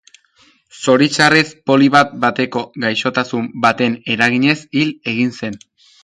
Zoritxarrez Poli bat-bateko gaixotasun baten eraginez hil egin zen.